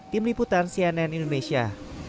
tim liputan cnn indonesia